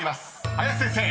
林先生］